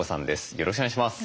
よろしくお願いします。